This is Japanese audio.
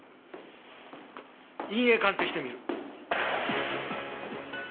印影鑑定してみる。